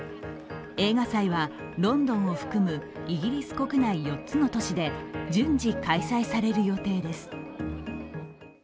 映画祭は、ロンドンを含むイギリス国内４つの都市で順次、開催される予定です。